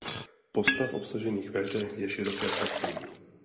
Postav obsažených ve hře je široké spektrum.